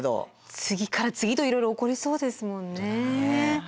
次から次といろいろ起こりそうですもんね。